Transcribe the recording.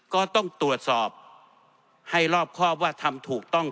ก็ต้องตรวจสอบให้รอบครอบว่าทำถูกต้อง